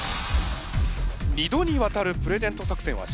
二度にわたるプレゼント作戦は失敗。